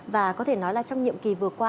và có thể nói là trong nhiệm kỳ vừa qua